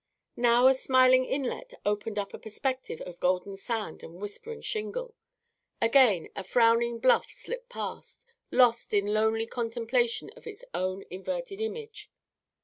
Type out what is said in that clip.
Now a smiling inlet opened up a perspective of golden sand and whispering shingle; again a frowning bluff slipped past, lost in lonely contemplation of its own inverted image.